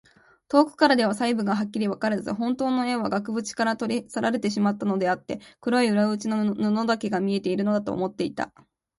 遠くからでは細部がはっきりわからず、ほんとうの絵は額ぶちから取り去られてしまったのであって、黒い裏打ちの布だけが見えているのだ、と思っていた。